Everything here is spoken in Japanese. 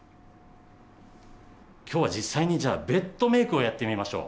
今日は実際にじゃあベッドメークをやってみましょう。